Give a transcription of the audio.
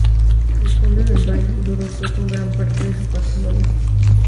El conde del Val lo dotó con gran parte de su patrimonio.